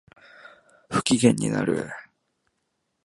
不機嫌になる